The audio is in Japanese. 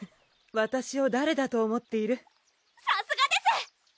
わたしを誰だと思っているさすがです！